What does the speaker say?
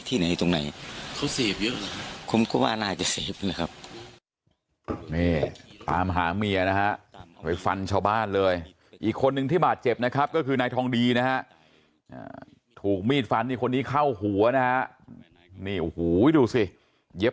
ที่ไหนตรงไหนเขาเสียบเยอะหรอครับ